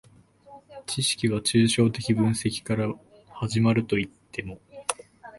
知識は抽象的分析から始まるといっても、